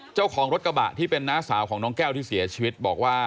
เจ้าของรถกระบะที่เป็นน้าสาวของน้องแก้วที่เสียชีวิตบอกว่า